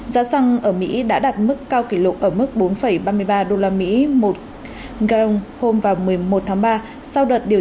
giá xăng ở mỹ đã đạt mức cao kỷ lục ở mức bốn ba mươi ba usd một grong hôm vào một mươi một tháng ba sau đợt điều